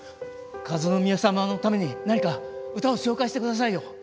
和宮さまのために何か唄を紹介して下さいよ。